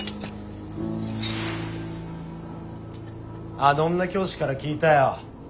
あの女教師から聞いたよ。